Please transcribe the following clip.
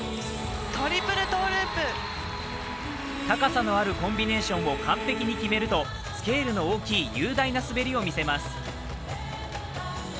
高さのあるコンビネーションを完璧に決めるとスケールの大きい雄大な滑りを見せます。